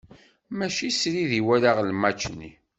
Mačči srid i walaɣ lmač-nni.